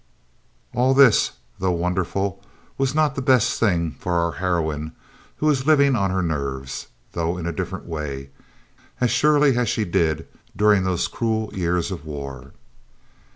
All this, though wonderful, was not the best thing for our heroine, who was "living on her nerves," though in a different way, as surely as she did during those cruel years of war.